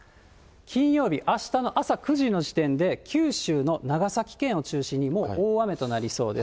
金曜日、あしたの朝９時の時点で九州の長崎県を中心にもう大雨となりそうです。